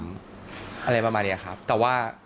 อะไรประมาณนี้ครับแต่ว่า